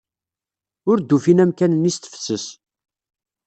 Ur d-ufin amkan-nni s tefses.